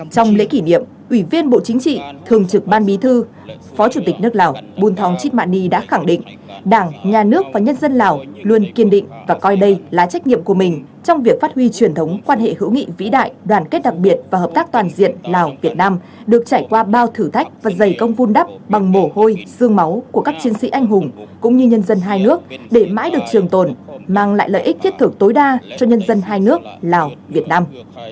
trong lễ kỷ niệm ủy viên bộ chính trị thường trực ban bí thư phó chủ tịch nước lào bùn thóng chít mạ ni đã khẳng định đảng nhà nước và nhân dân lào luôn kiên định và coi đây là trách nhiệm của mình trong việc phát huy truyền thống quan hệ hữu nghị vĩ đại đoàn kết đặc biệt và hợp tác toàn diện lào việt nam được trải qua bao thử thách và giày công vun đắp bằng mổ hôi sương máu của các chiến sĩ anh hùng cũng như nhân dân hai nước để mãi được trường tồn mang lại lợi ích thiết thưởng tối đa cho nhân dân hai nước lào việt nam